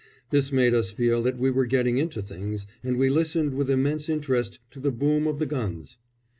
This made us feel that we were getting into things, and we listened with immense interest to the boom of the guns.